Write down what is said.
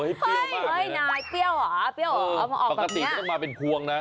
เฮ้ยนายเปรี้ยวเหรอออกตรงนี้เออปกติต้องมาเป็นควงนะ